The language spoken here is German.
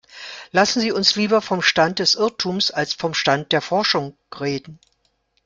Lassen Sie uns lieber vom Stand des Irrtums als vom Stand der Forschung reden.